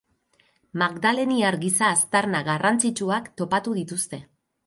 Magdaleniar giza-aztarna garrantzitsuak topatu dituzte.